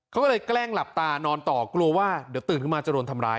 เขาก็เลยแกล้งหลับตานอนต่อกลัวว่าเดี๋ยวตื่นขึ้นมาจะโดนทำร้าย